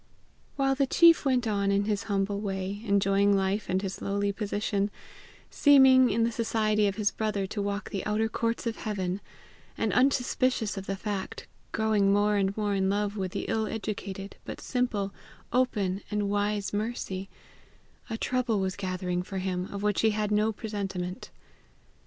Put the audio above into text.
While the chief went on in his humble way, enjoying life and his lowly position; seeming, in the society of his brother, to walk the outer courts of heaven; and, unsuspicious of the fact, growing more and more in love with the ill educated, but simple, open, and wise Mercy, a trouble was gathering for him of which he had no presentiment.